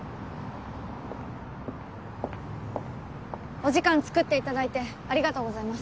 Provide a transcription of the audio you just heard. お時間作っていただいてありがとうございます。